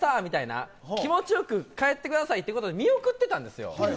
みたいな気持ちよく帰ってくださいってことで見送ってたんですよ。